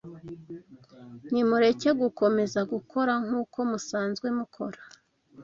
Nimureke gukomeza gukora nk’uko musanzwe mukora.